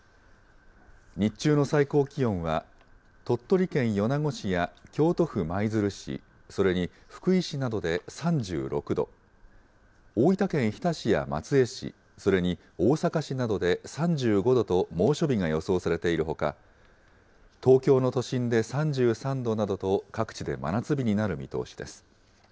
日中の最高気温は、鳥取県米子市や京都府舞鶴市、それに福井市などで３６度、大分県日田市や松江市、それに大阪市などで３５度と猛暑日が予想されているほか、東京の都心で３３度などと、各地で真夏日になる見通しです。